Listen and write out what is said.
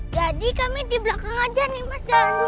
jadi kami di belakang saja nih mas jalan dulu